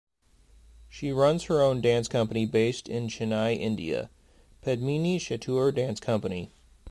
She runs her own dance company based in Chennai, India, "Padmini Chettur Dance Company".